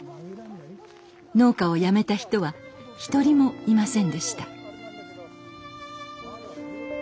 農家をやめた人は一人もいませんでした。